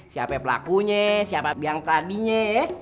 siapa pelakunya siapa yang keladinya ya